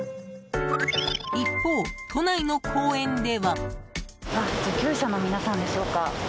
一方、都内の公園では。